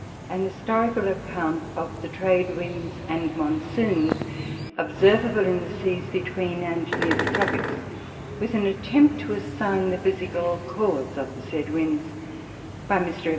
_An Historical Account of the Trade Winds and Monsoons, observable in the Seas between and near the Tropicks, with an attempt to assign the Physical Cause of the said Winds, by Mr. _Ed.